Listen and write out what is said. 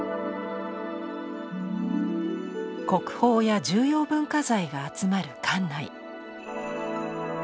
国宝や重要文化財が集まる館内。